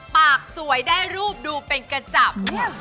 สวยได้รูปดูเป็นกระจับ